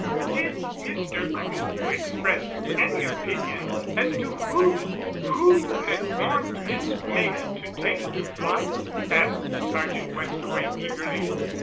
"Did Mr. Crewe express any opinion as to who who had warned Miss Maynard to take to flight?" asked Sergeant Westaway eagerly.